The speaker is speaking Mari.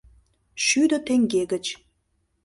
Шӱдӧ теҥге гыч.